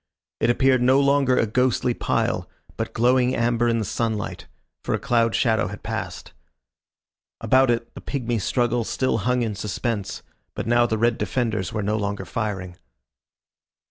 It appeared no longer a ghostly pile, but glowing amber in the sunlight, for a cloud shadow had passed. About it the pigmy struggle still hung in suspense, but now the red defenders were no longer firing.